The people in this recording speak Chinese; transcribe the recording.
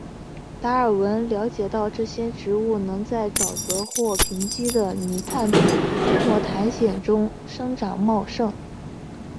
达尔文了解到这些植物能在沼泽或贫瘠的泥炭土或苔藓中生长茂盛。